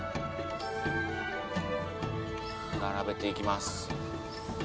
並べて行きます。